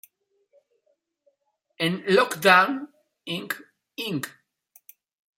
En "Lockdown", Ink Inc.